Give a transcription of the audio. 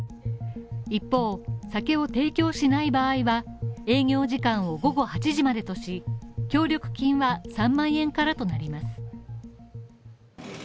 一方、酒を提供しない場合は営業時間を午後８時までとし協力金は３万円からとなります。